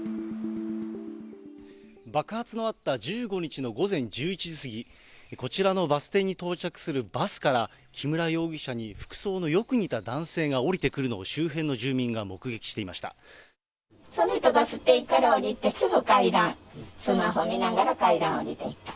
爆発のあった１５日の午前１１時過ぎ、こちらのバス停に到着するバスから、木村容疑者に服装のよく似た男性が降りてくるのを周辺の住民が目その人、バス停から降りて、すぐ階段、スマホ見ながら階段を下りてった。